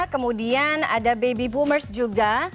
kemudian ada baby boomers juga